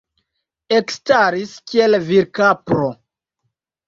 Ekstaris, kiel virkapro.